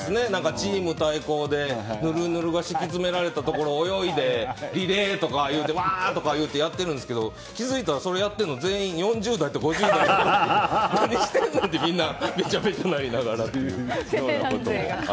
チーム対抗で、ぬるぬるが敷き詰められたところを泳いでリレーとかいってわー！とか言ってやってるんですけど気づいたらそれやってるの４０代と５０代とかでなにしてんねんって、みんなでべちゃべちゃになりながら。